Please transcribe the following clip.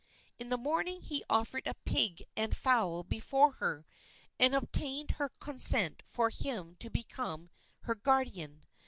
In the morning he offered a pig and fowl before her, and obtained her consent for him to become her guardian.